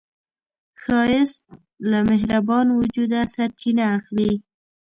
ښایست له مهربان وجوده سرچینه اخلي